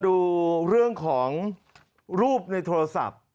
ดูเรื่องของรูปในโทรศัพท์